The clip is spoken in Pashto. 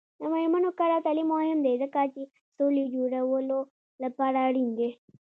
د میرمنو کار او تعلیم مهم دی ځکه چې سولې جوړولو لپاره اړین دی.